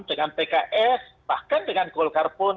dengan pks bahkan dengan golkar pun